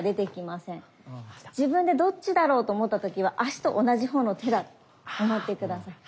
自分でどっちだろうと思った時は足と同じ方の手だと思って下さい。